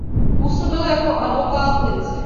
Působil jako advokát v Linci.